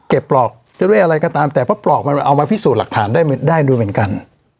ปลอกจะด้วยอะไรก็ตามแต่เพราะปลอกมันเอามาพิสูจน์หลักฐานได้ด้วยเหมือนกัน